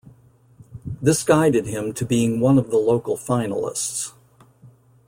This guided him to being one of the local finalists.